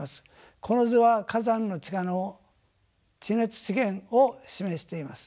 この図は火山の地下の地熱資源を示しています。